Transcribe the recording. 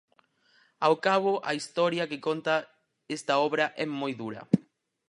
Ao cabo, a historia que conta esta obra é moi dura.